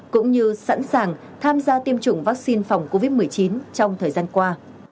cũng như sẵn sàng tham gia tiêm chủng vaccine phòng covid một mươi chín trong thời gian qua